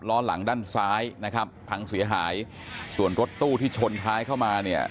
ล้อหลังด้านซ้ายนะครับพังเสียหายส่วนรถตู้ที่ชนท้ายเข้ามาเนี่ย